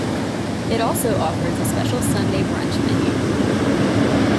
It also offers a special Sunday Brunch menu.